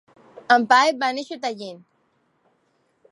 Paet va néixer a Tallinn.